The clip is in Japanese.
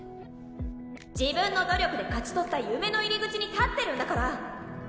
自分の努力で勝ち取った夢の入口に立ってるんだから！